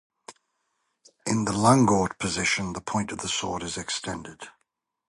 In the Langort position, the point of the sword is extended.